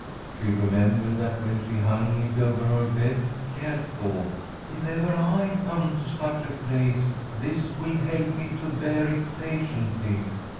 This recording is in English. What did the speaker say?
She remembered that when she hung it over her bed she had thought, "If ever I come to such a place, this will help me to bear it patiently."